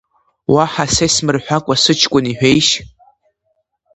Уаҳа са исмырҳәакәа, сыҷын, иҳәеишь!